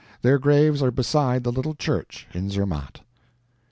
Their graves are beside the little church in Zermatt.